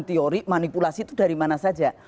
teori manipulasi itu dari mana saja